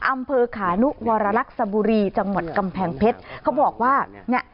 อำเภอขานุวรรลักษบุรีจังหวัดกำแพงเพชรเขาบอกว่าเนี่ย